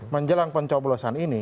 menjelang pencoblosan ini